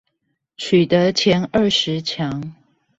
取得前二十強